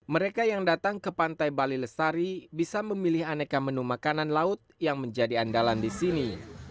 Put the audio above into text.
mereka yang datang ke pantai bali lestari bisa memilih aneka menu makanan laut yang menjadi andalan di sini